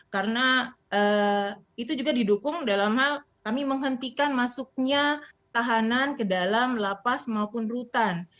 karena itu juga didukung dalam hal kami menghentikan masuknya tahanan ke dalam lapas maupun rutan